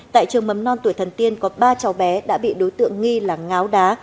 tại trường mầm non tuổi thần tiên có ba cháu bé đã bị đối tượng nghi là ngáo đá